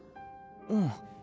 うん。